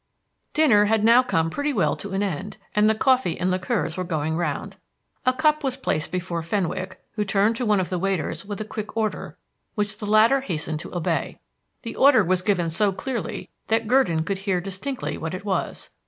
Dinner had now come pretty well to an end, and the coffee and liqueurs were going round. A cup was placed before Fenwick, who turned to one of the waiters with a quick order which the latter hastened to obey. The order was given so clearly that Gurdon could hear distinctly what it was.